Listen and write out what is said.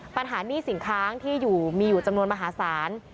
ปัญหานี่สิงค้างที่มีอยู่จำนวนมหาศาล